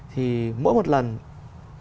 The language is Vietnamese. thì mỗi một lần chúng ta nhìn thấy